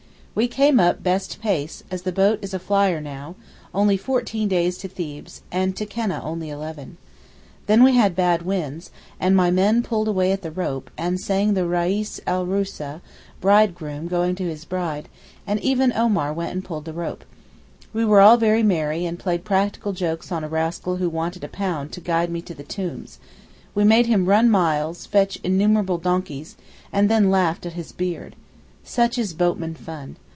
We came up best pace, as the boat is a flyer now, only fourteen days to Thebes, and to Keneh only eleven. Then we had bad winds, and my men pulled away at the rope, and sang about the Reis el Arousa (bridegroom) going to his bride, and even Omar went and pulled the rope. We were all very merry, and played practical jokes on a rascal who wanted a pound to guide me to the tombs: we made him run miles, fetch innumerable donkeys, and then laughed at his beard. Such is boatmen fun.